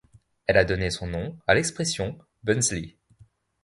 Elle a donné son nom à l'expression Bünzli.